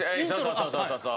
そうそうそうそう。